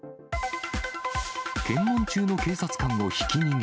検問中の警察官をひき逃げ。